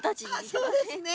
そうですね。